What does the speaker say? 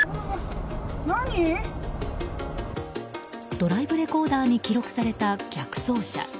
ドライブレコーダーに記録された逆走車。